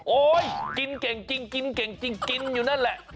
โอ๊ยกินเก่งอยู่นั่นแหละ